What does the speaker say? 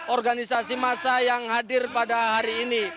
organisasi masa yang hadir pada hari ini